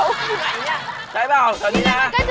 อ๋อนี่ไง